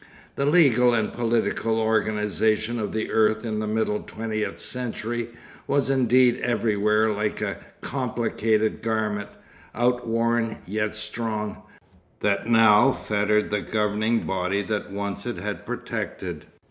The legal and political organisation of the earth in the middle twentieth century was indeed everywhere like a complicated garment, outworn yet strong, that now fettered the governing body that once it had protected.